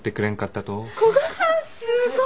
古賀さんすごい。